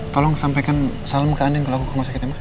tolong sampaikan salam ke anden kalau aku ke rumah sakit ya ma